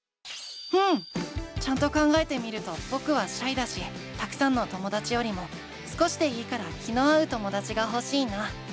うん！ちゃんと考えてみるとぼくはシャイだしたくさんのともだちよりも少しでいいから気の合うともだちがほしいな。